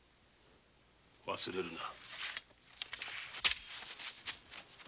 忘れるな！